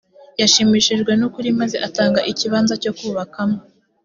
yashimishijwe n ukuri maze atanga ikibanza cyo kubakamo